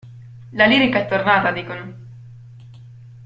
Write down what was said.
La lirica è tornata dicono.